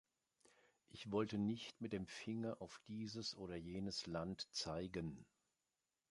Ich wollte nicht mit dem Finger auf dieses oder jenes Land zeigen.